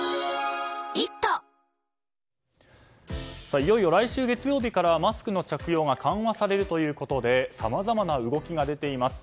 いよいよ来週月曜日からマスクの着用が緩和されるということでさまざまな動きが出ています。